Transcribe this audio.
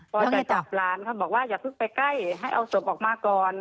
พอจะจับหลานเขาบอกว่าอย่าเพิ่งไปใกล้ให้เอาศพออกมาก่อน